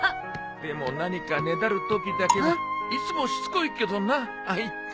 ・でも何かねだるときだけはいつもしつこいけどなあいつ。